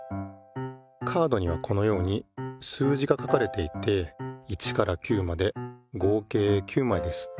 カードにはこのように数字が書かれていて１から９まで合計９まいです。